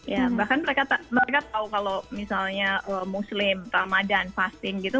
ya bahkan mereka tahu kalau misalnya muslim ramadan fasting gitu